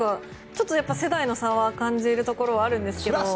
ちょっと世代の差は感じるところはあるんですけど。